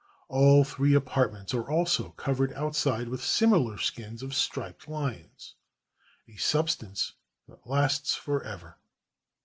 All three apartments are also covered outside with similar skins of striped lions, a substance that lasts forever.